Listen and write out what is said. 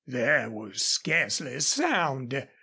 There was scarcely a sound.